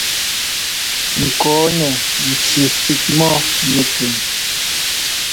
Kɔɔnɛ ŋci fik mɔ nɛkʉn.